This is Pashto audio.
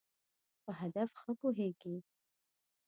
په هدف ښه پوهېږی.